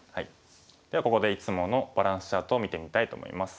ではここでいつものバランスチャートを見てみたいと思います。